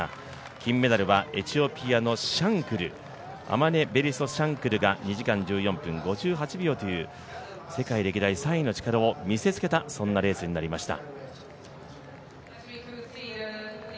金メダルはエチオピアのシャンクル、アマネ・ベリソ・シャンクルが世界歴代３位の記録を見せつけた、そんなレースになりました。